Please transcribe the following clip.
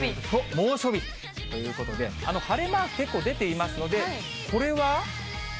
猛暑日ということで、晴れマーク、結構出ていますので、明け？